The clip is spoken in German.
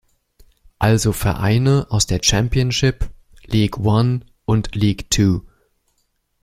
Also Vereine aus der Championship, League One und League Two.